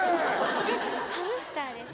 えっハムスターです。